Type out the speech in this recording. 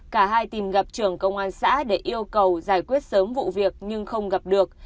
cả hai tìm gặp trưởng công an xã để yêu cầu giải quyết sớm vụ việc nhưng không gặp được